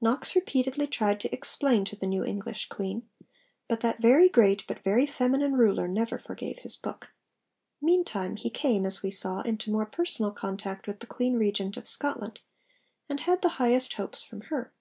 Knox repeatedly tried to explain to the new English Queen; but that very great but very feminine ruler never forgave his book. Meantime he came, as we saw, into more personal contact with the Queen Regent of Scotland, and had the highest hopes from her.